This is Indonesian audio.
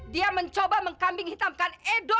dia mencoba mengkambing hitamkan edo